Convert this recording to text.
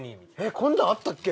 こんなんあったっけ？